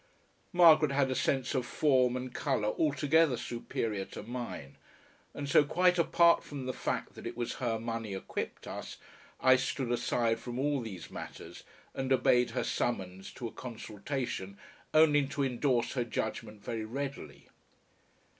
Margaret had a sense of form and colour altogether superior to mine, and so quite apart from the fact that it was her money equipped us, I stood aside from all these matters and obeyed her summons to a consultation only to endorse her judgment very readily.